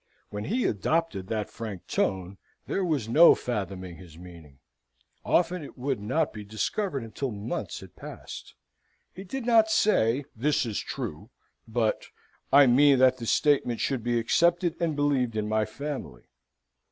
When he adopted that frank tone, there was no fathoming his meaning: often it would not be discovered until months had passed. He did not say, "This is true," but, "I mean that this statement should be accepted and believed in my family."